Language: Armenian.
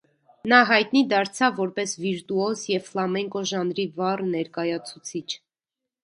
Նա հայտնի դարձավ որպես վիրտուոզ և ֆլամենկո ժանրի վառ ներկայացուցիչ։